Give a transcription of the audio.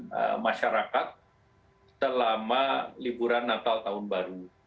dan masyarakat selama liburan natal tahun baru